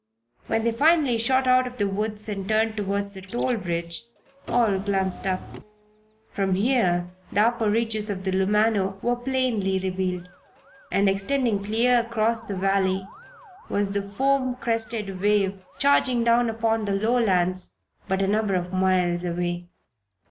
When they finally shot out of the woods and turned toward the toll bridge, all glanced around. From here the upper reaches of the Lumano were plainly revealed. And extending clear across the valley was the foam crested wave charging down upon the lowlands, but a number of miles away.